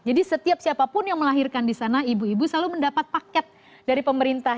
jadi setiap siapapun yang melahirkan di sana ibu ibu selalu mendapat paket dari pemerintah